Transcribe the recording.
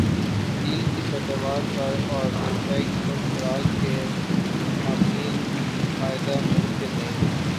تیل کی پیداوار پر اوپیک ممالک کے مابین معاہدہ ممکن نہیں